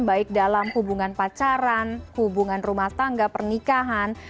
baik dalam hubungan pacaran hubungan rumah tangga pernikahan